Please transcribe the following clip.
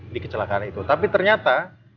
di kecelakaan itu tapi ternyata